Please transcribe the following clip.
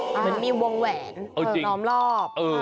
เหมือนมีวงแหวนล้อมรอบ